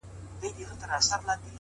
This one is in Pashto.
o جوړ يمه گودر يم ماځيگر تر ملا تړلى يم،